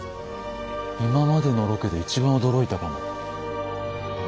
今までのロケで一番驚いたかも。